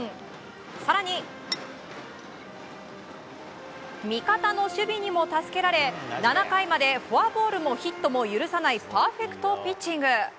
更に味方の守備にも助けられ７回までフォアボールもヒットも許さないパーフェクトピッチング。